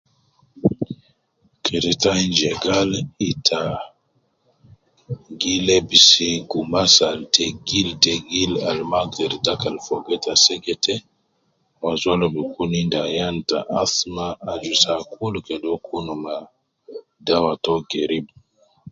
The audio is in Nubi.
Kede ta ayin je gal ita gi lebisi gumas al tegil tegil, al ma agder dakal fogo ita segete, wu azol al bi kun endi ayan te asthma aju saa kulu kede uwo kun ma dawa to gerib